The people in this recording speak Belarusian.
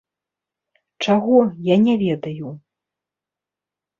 Чаго, я не ведаю.